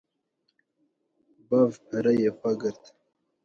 Bav pereyê xwe girt